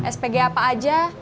spg apa aja